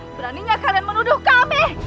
beraninya kalian menuduh kami